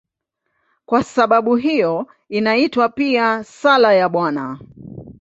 Kwa sababu hiyo inaitwa pia "Sala ya Bwana".